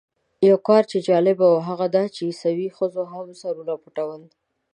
یو کار چې جالب و هغه دا چې عیسوي ښځو هم سرونه پټول.